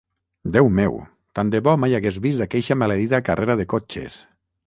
Déu meu, tant de bo mai hagués vist aqueixa maleïda carrera de cotxes!